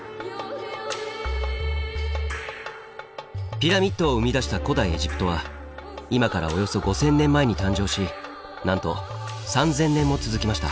ピラミッドを生み出した古代エジプトは今からおよそ５０００年前に誕生しなんと３０００年も続きました。